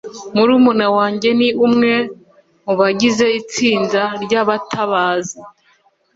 Murumuna wanjye ni umwe mubagize itsinda ryabatabazi.